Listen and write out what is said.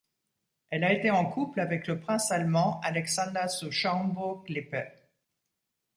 Elle a été en couple avec le prince allemand Alexander zu Schaumburg-Lippe.